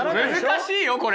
難しいよこれ！